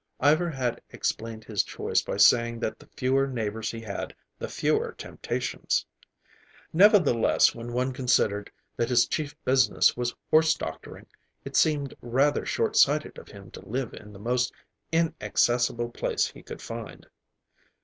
Ivar had explained his choice by saying that the fewer neighbors he had, the fewer temptations. Nevertheless, when one considered that his chief business was horse doctoring, it seemed rather short sighted of him to live in the most inaccessible place he could find.